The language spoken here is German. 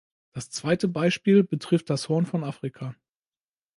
Das zweite Beispiel betrifft das Horn von Afrika.